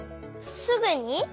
すぐに？